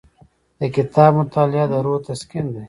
د کتاب مطالعه د روح تسکین دی.